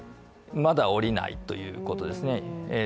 まだ降りないということですね。